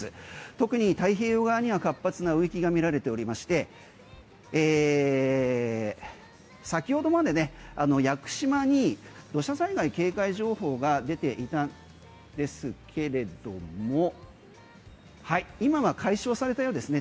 特に太平洋側には活発な雨域が見られておりまして先ほどまでね屋久島に土砂災害警戒情報が出ていたんですけれども今は解消されたようですね。